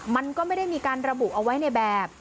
มันก็ไม่ได้มีการระบุเอาไว้ในแบบ